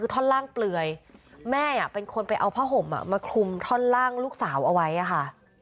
คือท่อนล่างเปลือยแม่เป็นคนไปเอาผ้าห่มมาคลุมท่อนล่างลูกสาวเอาไว้ค่ะ